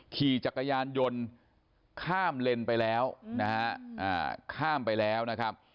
ขี่จักรยานยนต์ข้ามเลนไปแล้วนะฮะข้ามไปแล้วนะครับ